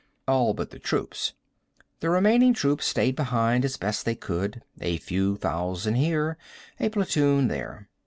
All but the troops. The remaining troops stayed behind as best they could, a few thousand here, a platoon there.